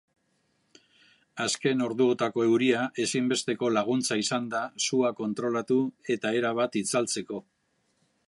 Azken orduotako euria ezinbesteko laguntza izan da sua kontrolatu eta erabat itzaltzeko.